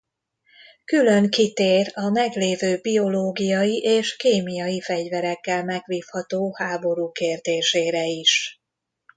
Külön kitér a meglévő biológiai és kémiai fegyverekkel megvívható háború kérdésére is.